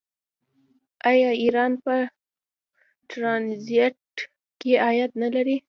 آیا ایران په ټرانزیټ کې عاید نلري؟